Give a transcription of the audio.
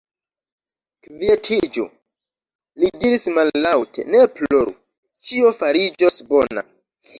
Kvietiĝu! li diris mallaŭte, ne ploru, ĉio fariĝos bona.